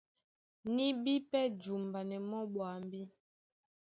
Ní bí pɛ́ jumbanɛ mɔ́ ɓwambí.